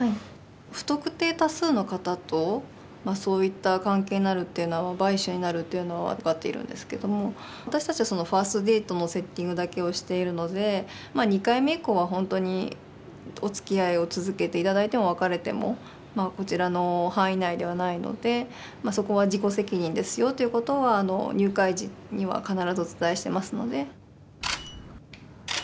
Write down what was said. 不特定多数の方とそういった関係になるっていうのは売春になるっていうのは分かっているんですけども私たちはファーストデートのセッティングだけをしているので２回目以降はほんとにおつきあいを続けて頂いても別れてもこちらの範囲内ではないのでそこは自己責任ですよということは入会時には必ずお伝えしてますので。